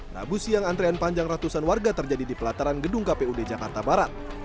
rabu siang antrean panjang ratusan warga terjadi di pelataran gedung kpud jakarta barat